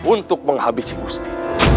untuk menghabisi gusti